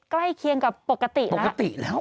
ใกล้เคียงกับปกติปกติแล้ว